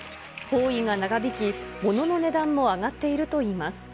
包囲が長引き、ものの値段も上がっているといいます。